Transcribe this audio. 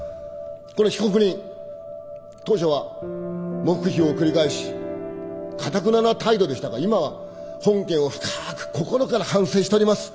この被告人当初は黙秘を繰り返しかたくなな態度でしたが今は本件を深く心から反省しとります。